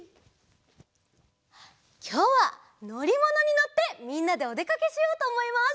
きょうはのりものにのってみんなでおでかけしようとおもいます。